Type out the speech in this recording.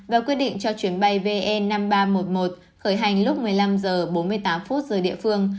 và quyết định cho chuyến bay vn năm nghìn ba trăm một mươi một khởi hành lúc một mươi năm h bốn mươi tám giờ địa phương